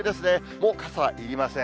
もう傘はいりません。